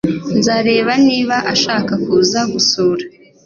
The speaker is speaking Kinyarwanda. Nzareba niba ashaka kuza gusura.